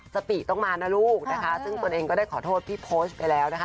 สติต้องมานะลูกนะคะซึ่งตนเองก็ได้ขอโทษพี่โพสต์ไปแล้วนะคะ